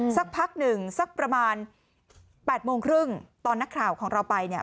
สักพักหนึ่งสักประมาณ๘โมงครึ่งตอนนักข่าวของเราไปเนี่ย